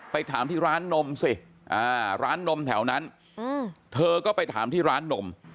ถามที่ร้านนมสิร้านนมแถวนั้นเธอก็ไปถามที่ร้านนม